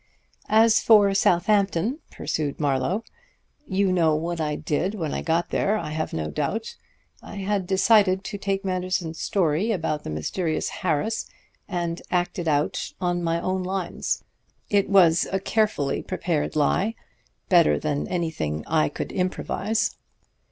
"As for Southampton," pursued Marlowe, "you know what I did when I got there, I have no doubt. I had decided to take Manderson's story about the mysterious Harris and act it out on my own lines. It was a carefully prepared lie, better than anything I could improvise.